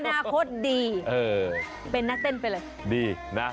อนาคตดีเป็นนักเต้นไปเลยแดนเซอร์ดีนะ